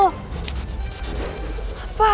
apaan sih itu anak beneran deh